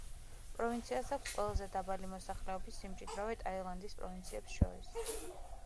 პროვინციას აქვს ყველაზე დაბალი მოსახლეობის სიმჭიდროვე ტაილანდის პროვინციებს შორის.